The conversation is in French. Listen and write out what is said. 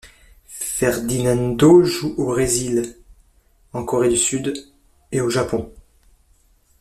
Ferdinando joue au Brésil, en Corée du Sud, et au Japon.